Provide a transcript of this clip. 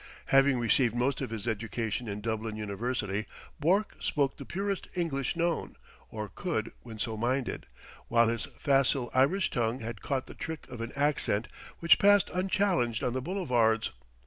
Having received most of his education in Dublin University, Bourke spoke the purest English known, or could when so minded, while his facile Irish tongue had caught the trick of an accent which passed unchallenged on the Boulevardes.